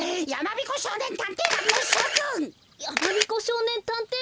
やまびこしょうねんたんていだんのしょくん！